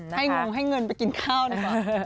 งงให้เงินไปกินข้าวดีกว่า